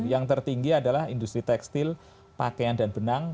yang tertinggi adalah industri tekstil pakaian dan benang